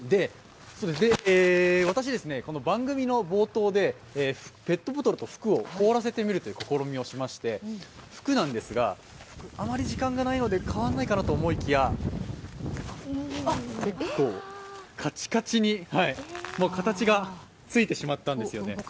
私、番組の冒頭でペットボトルと服を凍らせてみるという試みをしていまして服なんですが、あまり時間がないので変わらないかなと思いきや、結構、カチカチに形がついてしまったんですよね。